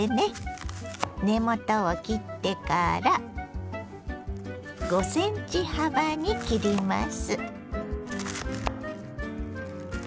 根元を切ってから５ｃｍ幅に切ります。